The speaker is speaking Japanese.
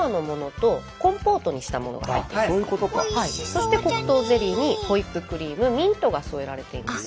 そして黒糖ゼリーにホイップクリームミントが添えられています。